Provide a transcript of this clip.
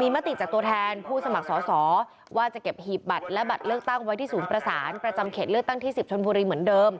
มีมติจากตัวแทนผู้สมัครสอสอว่าจะเก็บหีบบัตรและบัตรเลือกตั้งไว้ที่ศูนย์ประสานประจำเขตเลือกตั้งที่๑๐ชนบุรีเหมือนเดิม